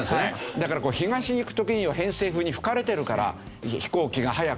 だから東に行く時には偏西風に吹かれてるから飛行機が早く着くわけ。